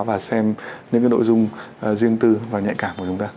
và xem những nội dung riêng tư và nhạy cảm của chúng ta